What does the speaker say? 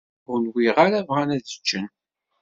Ur nwiɣ ara bɣan ad ččen.